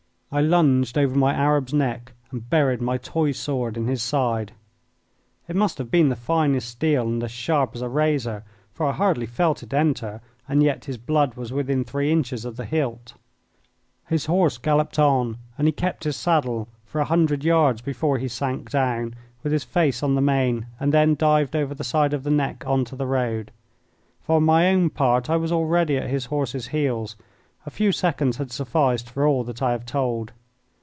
I lunged over my Arab's neck and buried my toy sword in his side. It must have been the finest steel and as sharp as a razor, for I hardly felt it enter, and yet his blood was within three inches of the hilt. His horse galloped on and he kept his saddle for a hundred yards before he sank down with his face on the mane and then dived over the side of the neck on to the road. For my own part I was already at his horse's heels. A few seconds had sufficed for all that I have told.